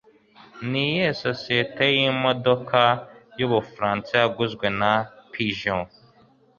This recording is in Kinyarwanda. Niyihe sosiyete yimodoka yubufaransa yaguzwe na Peugeot